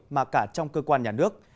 mà cả trong cơ quan nhà nước